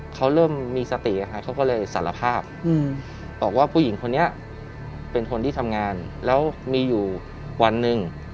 เขาเริ่มมีสติเขาก็เลยสารภาพบอกว่าผู้หญิงคนนี้เป็นคนที่ทำงานแล้วมีอยู่วันหนึ่ง